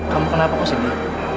kamu kenapa kau sedih